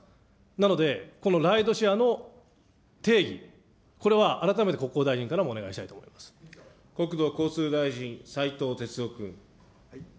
なので、このライドシェアの定義、これは改めて国交大臣からもお願国土交通大臣、斉藤鉄夫君。